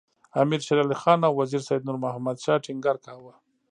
امیر شېر علي خان او وزیر سید نور محمد شاه ټینګار کاوه.